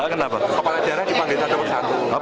kepala daerah dipanggil tadi bersatu